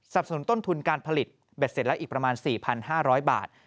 สนุนต้นทุนการผลิตเบ็ดเสร็จแล้วอีกประมาณ๔๕๐๐บาท